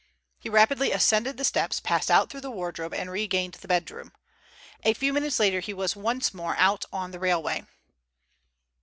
He rapidly ascended the steps, passed out through the wardrobe, and regained the bedroom. A few minutes later he was once more out on the railway.